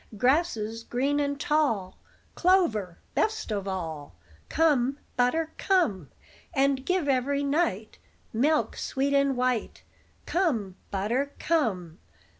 Grasses green and tall, Clover, best of all, Come, butter, come! And give every night Milk sweet and white Come, butter, come!